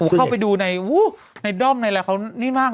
เข้าไปดูในด้อมอะไรแหละเขานี่มาก